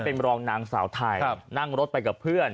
เป็นรองนางสาวไทยนั่งรถไปกับเพื่อน